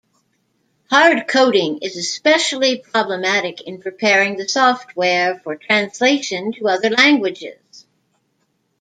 Hard coding is especially problematic in preparing the software for translation to other languages.